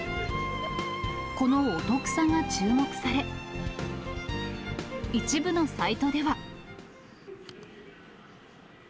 このお得さが注目され、一部のサイトでは。